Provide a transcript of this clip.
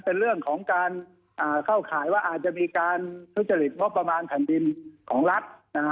เป็นเรื่องของการเข้าข่ายว่าอาจจะมีการทุจริตงบประมาณแผ่นดินของรัฐ